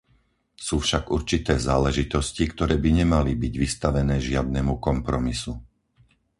Sú však určité záležitosti, ktoré by nemali byť vystavené žiadnemu kompromisu.